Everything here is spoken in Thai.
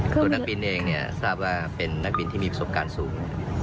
ตัวนักบินเองทราบว่าเป็นนักบินที่มีประสบการณ์สูง